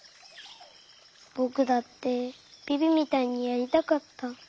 ぼくだってビビみたいにやりたかった。